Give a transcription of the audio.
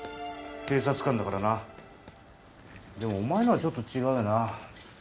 警察官だからなでもお前のはちょっと違うよな